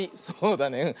そうだね。